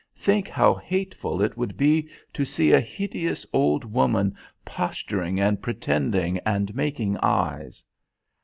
Think how hateful it would be to see a hideous old woman posturing and pretending and making eyes.